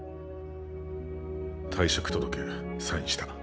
退職届サインした。